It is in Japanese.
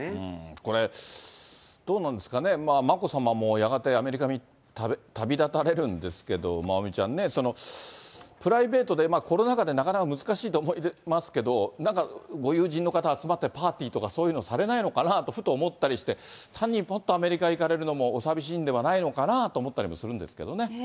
これ、どうなんですかね、眞子さまもやがてアメリカに旅立たれるんですけど、まおみちゃんね、プライベートでコロナ禍でなかなか難しいとは思いますけど、なんかご友人の方集まってパーティーとかそういうのをされないのかなと、ふと思ったりして、単にぽっとアメリカに行かれるのも、お寂しいんではないのかなと思ったりもするんですけどね。